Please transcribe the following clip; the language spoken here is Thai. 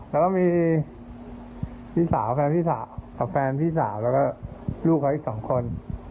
แล้วก็มีพี่สาวแฟนพี่สาวแล้วก็ลูกเค้าอีกสองคน